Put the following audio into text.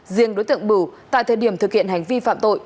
riêng đối tượng bửu tại thời điểm thực hiện hành vi phạm tội